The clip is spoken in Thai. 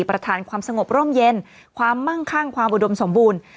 ประธานความสงบร่มเย็นความมั่งคั่งความอุดมสมบูรณ์